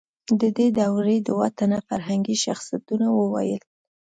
د دې دورې دوه تنه فرهنګي شخصیتونه ووایئ.